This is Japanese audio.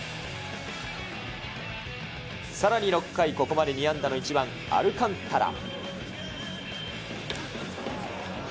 さらに６回、ここまで２安打の１番アルカンタラ。